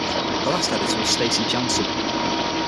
The last editor was Stacey Janssen.